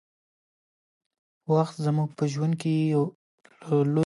وخت زموږ په ژوند کې له لويو نعمتونو څخه دى.